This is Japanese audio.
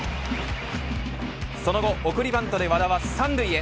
その後、送りバントで和田は３塁へ。